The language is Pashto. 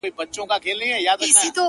o ته چیري تللی یې اشنا او زندګي چیري ده ـ